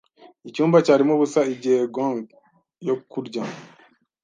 Icyumba cyarimo ubusa igihe gong yo kurya.